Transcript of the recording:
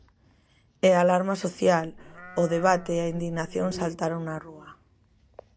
E a alarma social, o debate e a indignación saltaron á rúa.